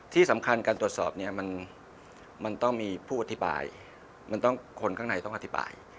ที่สำคัญการตรวจสอบเนี่ยมันต้องมีผู้อธิบายมันต้องคนข้างในต้องอธิบาย